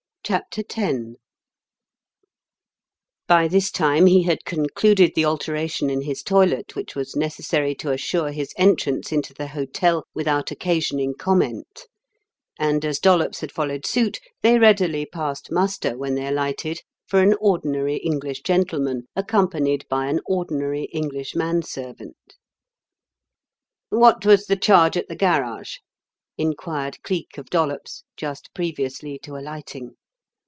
CHAPTER X By this time he had concluded the alteration in his toilet which was necessary to assure his entrance into the hotel without occasioning comment; and as Dollops had followed suit they readily passed muster, when they alighted, for an ordinary English gentleman accompanied by an ordinary English manservant. "What was the charge at the garage?" inquired Cleek of Dollops just previously to alighting.